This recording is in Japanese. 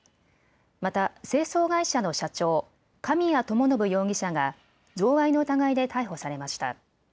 また清掃会社の社長、神谷知伸容疑者が贈賄の疑いで逮捕されました。